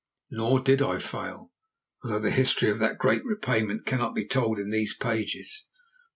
Nor did I fail, although the history of that great repayment cannot be told in these pages.